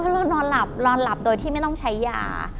นอนหลับนอนหลับโดยที่ไม่ต้องใช้ยา